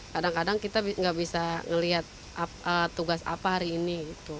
kadang kadang kita nggak bisa melihat tugas apa hari ini